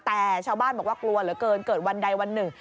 แต่ชาวบ้านบอกว่ากลัวเหลือเกินเกิดวันใดวันหนึ่ง